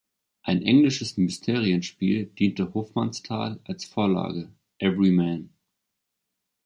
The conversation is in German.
Ein englisches Mysterienspiel diente Hofmannsthal als Vorlage: "Everyman.